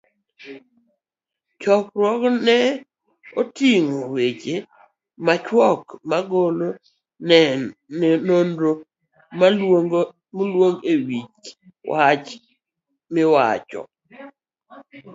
chakruokne oting'o weche machuok, magolo nonro malongo e wich wach miwach?